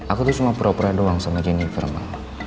aku tuh cuma propera doang sama jennifer ma